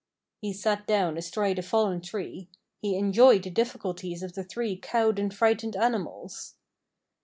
He sat down astride a fallen tree. He enjoyed the difficulties of the three cowed and frightened animals.